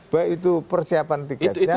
baik itu persiapan tiketnya